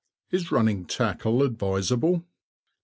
Is running tackle advisable_?